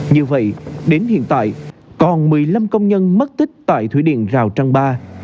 như vậy đến hiện tại còn một mươi năm công nhân mất tích tại thủy điện rào trăng ba